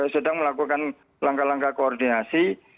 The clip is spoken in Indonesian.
sedang melakukan langkah langkah koordinasi